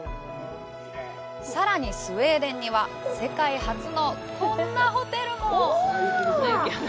さらに、スウェーデンには世界初のこんなホテルも。